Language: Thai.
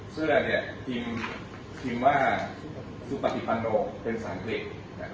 เสื้อเนี่ยทีมว่าสุปัติปันนกเป็นสังเกษ